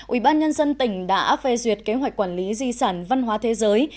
ủy ban nhân dân tỉnh đã phê duyệt kế hoạch quản lý di sản văn hóa thế giới